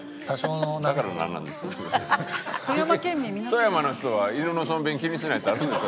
富山の人は犬の小便気にしないってあるんですか？